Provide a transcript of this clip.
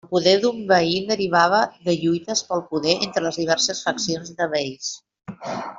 El poder d'un bei derivava de lluites pel poder entre les diverses faccions de beis.